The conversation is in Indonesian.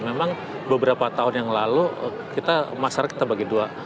memang beberapa tahun yang lalu kita masyarakat kita bagi dua